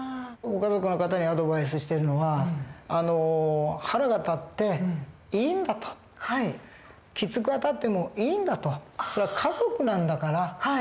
ご家族の方にアドバイスしてるのは腹が立っていいんだときつくあたってもいいんだとそれは家族なんだから。